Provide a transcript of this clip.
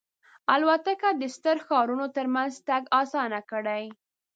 الوتکه د ستر ښارونو ترمنځ تګ آسان کړی.